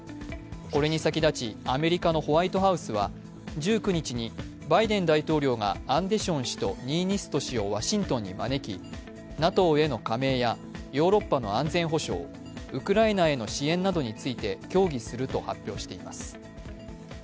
これに先立ち、アメリカのホワイトハウスは１９日に、バイデン大統領がアンデション氏とニーニスト氏をワシントンに招き、ＮＡＴＯへの加盟やヨーロッパの安全保障、ウクライナへの支援などについて協議すると発表しています。